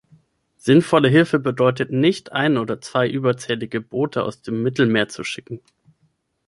Sinnvolle Hilfe bedeutet nicht, ein oder zwei überzählige Boote aus dem Mittelmeer zu schicken.